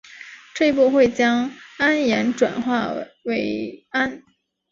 这一步会将铵盐转化成氨。